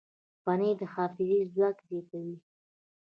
پنېر د حافظې ځواک زیاتوي.